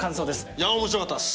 いや面白かったです。